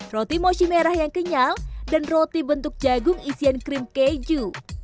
roti mochi merah yang kenyal dan roti bentuk jagung isian krim keju